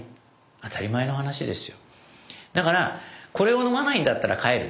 当たり前の話ですよ。